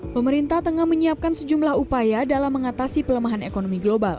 pemerintah tengah menyiapkan sejumlah upaya dalam mengatasi pelemahan ekonomi global